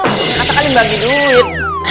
katakan dia mau bagi duit